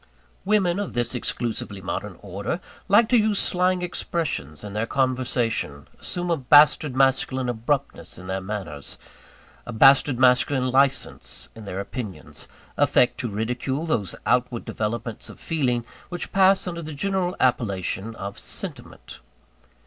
Women of this exclusively modern order, like to use slang expressions in their conversation; assume a bastard masculine abruptness in their manners, a bastard masculine licence in their opinions; affect to ridicule those outward developments of feeling which pass under the general appellation of "sentiment."